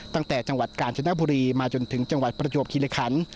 ตั้งแต่จังหวัดกาญจนบุรีมาจนถึงจังหวัดประจวบคิริคัน